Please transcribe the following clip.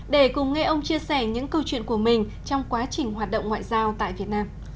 để cùng nghe ông chia sẻ những câu chuyện của mình trong quá trình hoạt động ngoại giao tại việt nam